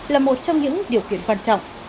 là một trong những điều kiện quan trọng